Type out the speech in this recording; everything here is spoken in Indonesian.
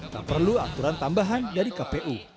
tak perlu aturan tambahan dari kpu